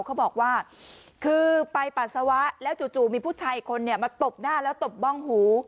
เขาบอกว่าคือไปปัสสาวะแล้วจู่มีผู้ชายอีกคนเนี่ยมาตบหน้าแล้วตบบ้องหู